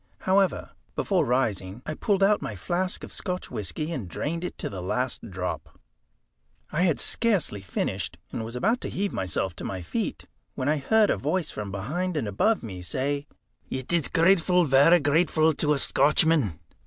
However, before rising, I pulled out my flask of Scotch whisky, and drained it to the last drop. I had scarcely finished, and was about to heave myself to my feet, when I heard a voice from behind and above me say "It is grateful, varra grateful to a Scotchman."